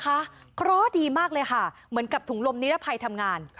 เพราะดีมากเลยค่ะเหมือนกับถุงลมนิรภัยทำงาน